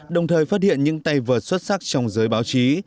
đồng thời phát hiện những tay vợt xuất sắc trong giới báo chí